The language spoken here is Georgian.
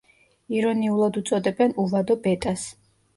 ირონიულად უწოდებენ „უვადო ბეტას“.